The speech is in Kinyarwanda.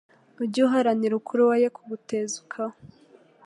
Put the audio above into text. Ujye uharanira ukuri woye kugutezukaho